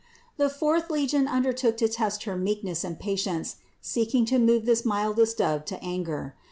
348. The fourth legion undertook to test her meek ness and patience, seeking to move this mildest Dove to anger.